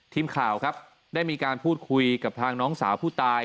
ทีมข่าวครับได้มีการพูดคุยกับทางน้องสาวผู้ตาย